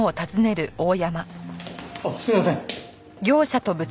あっすいません。